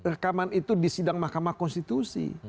rekaman itu di sidang mahkamah konstitusi